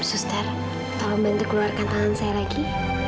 suster tolong bantu keluarkan tangan saya lagi